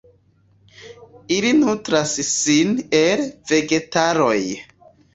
Ili nutras sin el vegetaloj.